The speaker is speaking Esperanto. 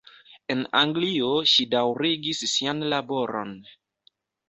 En Anglio ŝi daŭrigis sian laboron.